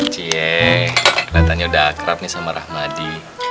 cie katanya udah akrab nih sama rahmadi